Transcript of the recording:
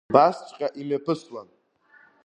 Убасҵәҟьа имҩаԥысуан.